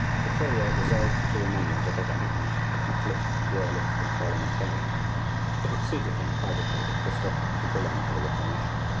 The furrier resolved to remain, whatever happened, Catholic, royalist, and parliamentarian; but it suited him, privately, that Christophe should belong to the Reformation.